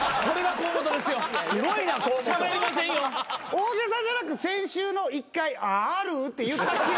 大げさじゃなく先週の１回「ある」って言ったきり。